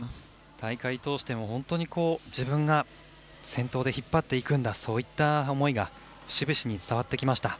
大会を通しても本当に自分が先頭で引っ張っていくんだそういった思いが節々に伝わってきました。